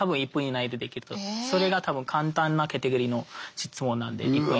それが多分簡単なカテゴリーの質問なんで１分以内。